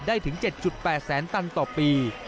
ถึง๗๘แสนตันต่อปี